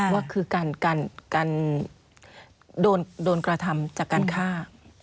ว่าคือการโดนกระทำจากการฆ่า